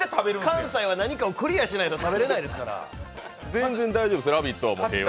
関西は何かクリアしないと食べれないですから。